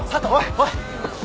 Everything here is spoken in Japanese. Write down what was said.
おい。